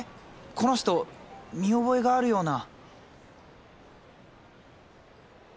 この人見覚えがあるような。